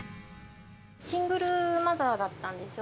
シングルマザーだったんですよ。